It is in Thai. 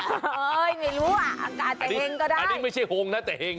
ไม่รู้อ่ะอากาศจะเห็งก็ได้อันนี้ไม่ใช่หงนะแต่เห็ง